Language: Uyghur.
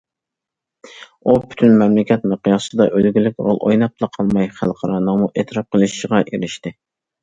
ئۇ پۈتۈن مەملىكەت مىقياسىدا ئۈلگىلىك رول ئويناپلا قالماي، خەلقئارانىڭمۇ ئېتىراپ قىلىشىغا ئېرىشتى.